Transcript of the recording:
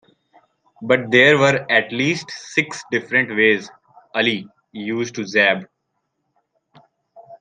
But there were at least six different ways Ali used to jab.